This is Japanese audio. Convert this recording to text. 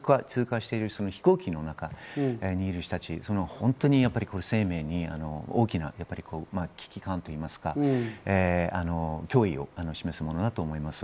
通過している飛行機の中にいる人たち、本当に生命に大きな危機感といいますか、脅威を示すものだと思います。